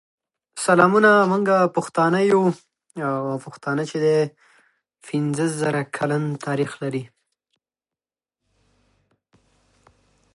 د افغانستان په منظره کې د هېواد مرکز ښکاره ده.